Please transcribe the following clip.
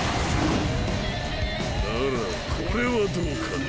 ならこれはどうかね？